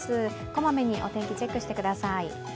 こまめにお天気をチェックしてください。